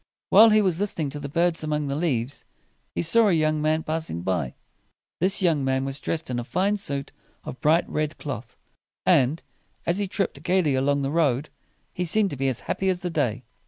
While he was lis ten ing to the birds among the leaves, he saw a young man passing by. This young man was dressed in a fine suit of bright red cloth; and, as he tripped gayly along the road, he seemed to be as happy as the day.